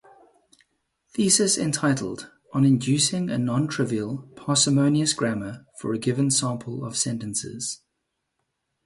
Thesis entitled On Inducing a Non-Trivial, Parsimonious Grammar for a Given Sample of Sentences.